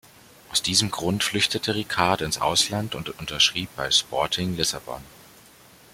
Aus diesem Grund flüchtete Rijkaard ins Ausland und unterschrieb bei Sporting Lissabon.